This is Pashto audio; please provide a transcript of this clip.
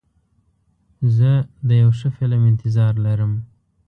زه د یو ښه فلم انتظار لرم.